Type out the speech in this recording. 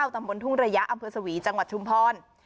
ตำบลทุ่งระยะอำเภอสวีจังหวัดชุมพร